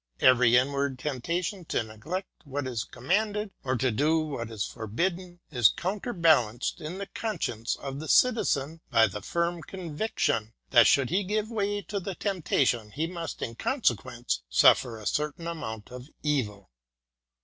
Every inward tempta tion to neglect what is commanded, or to do what is for bidden, is counterbalanced in the conscience of the Citizen by the firm conviction, that should he give way to the temptation, he must in consequence suffer a certain amount of evil.